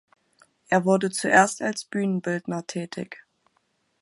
Er wurde zuerst als Bühnenbildner tätig.